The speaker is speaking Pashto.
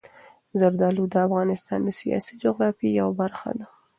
زردالو د افغانستان د سیاسي جغرافیې یوه برخه ده.